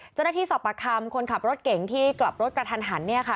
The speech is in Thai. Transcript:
เจ้าหน้าที่สอบประคำคนขับรถเก่งที่กลับรถกระทันหันเนี่ยค่ะ